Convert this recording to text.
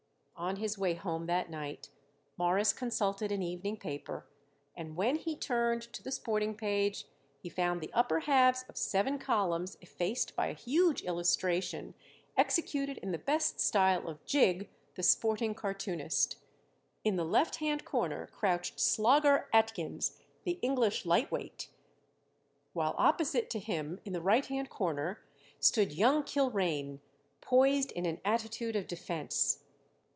On his way home that night Morris consulted an evening paper, and when he turned to the sporting page he found the upper halves of seven columns effaced by a huge illustration executed in the best style of Jig, the Sporting Cartoonist. In the left hand corner crouched Slogger Atkins, the English lightweight, while opposite to him in the right hand corner stood Young Kilrain, poised in an attitude of defense.